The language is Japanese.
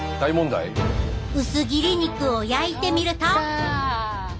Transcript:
薄切り肉を焼いてみると。